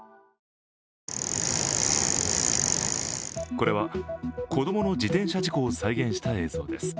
これは、子供の自転車事故を再現した映像です。